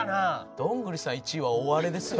どんぐりさん１位は大荒れですよ。